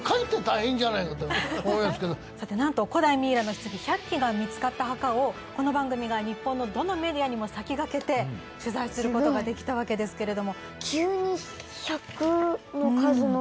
なんと古代ミイラの棺１００基が見つかった墓をこの番組が日本のどのメディアにも先駆けて取材することができたわけですけれども。